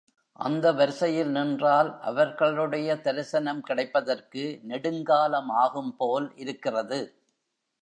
அந்த வரிசையில் நின்றால் அவர்களுடைய தரிசனம் கிடைப்பதற்கு நெடுங்காலம் ஆகும் போல் இருக்கிறது.